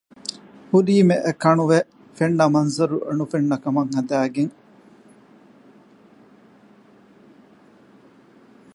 އެގްޒިޓް ސްޓްރެޓަޖީ ކޮންސަލްޓަންޓް